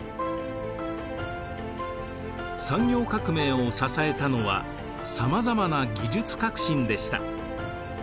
産業革命を支えたのはさまざまな技術革新でした。